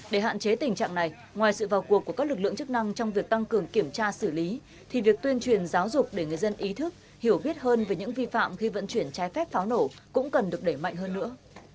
để hạn chế tình trạng này ngoài sự vào cuộc của các lực lượng chức năng trong việc tăng cường kiểm tra xử lý thì việc tuyên truyền giáo dục để người dân ý thức hiểu biết hơn về những vi phạm khi vận chuyển trái phép pháo nổ cũng cần được đẩy mạnh hơn nữa